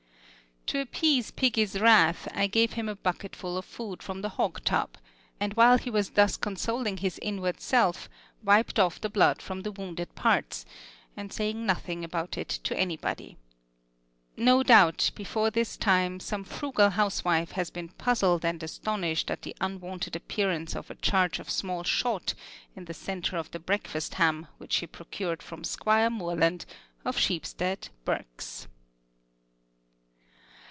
To appease piggy's wrath I gave him a bucketful of food from the hog tub; and while he was thus consoling his inward self, wiped off the blood from the wounded parts, and said nothing about it to anybody. No doubt, before this time, some frugal housewife has been puzzled and astonished at the unwonted appearance of a charge of small shot in the centre of the breakfast ham which she procured from Squire Morland, of Sheepstead, Berks.